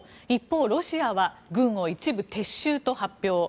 一方、ロシアは軍を一部撤収と発表。